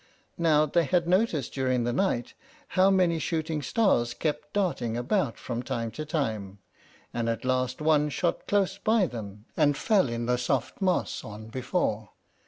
Now they had noticed during the night how many shooting stars kept darting about from time to time, and at last one shot close by them, and fell in the soft moss on before.